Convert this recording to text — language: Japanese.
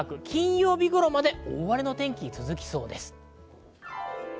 金曜日頃まで大荒れの天気は続きそうです。